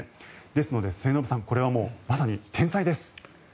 ですので、末延さんこれは、まさに天才です。